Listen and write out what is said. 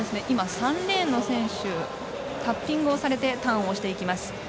３レーンの選手がタッピングをされてターンをしていきました。